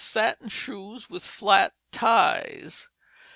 Satin Shoes with flat ties.